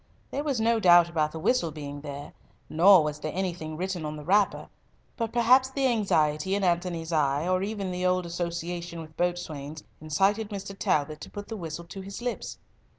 There was no doubt about the whistle being there, nor was there anything written on the wrapper; but perhaps the anxiety in Antony's eye, or even the old association with boatswains, incited Mr. Talbot to put the whistle to his lips.